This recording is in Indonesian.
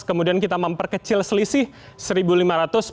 kemudian kita memperkecil selisih rp satu lima ratus